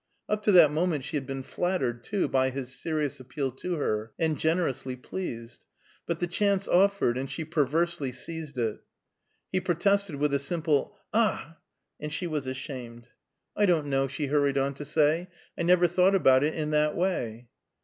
Up to that moment she had been flattered, too, by his serious appeal to her, and generously pleased. But the chance offered, and she perversely seized it. He protested with a simple "Ah!" and she was ashamed. "I don't know," she hurried on to say. "I never thought about it in that way."